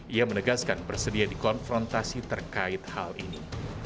ia menegaskan bersedia di konfrontasi terkait hal ini